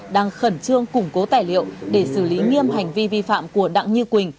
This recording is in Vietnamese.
đang khẩn trương củng cố tài liệu để xử lý nghiêm hành vi vi phạm của đặng như quỳnh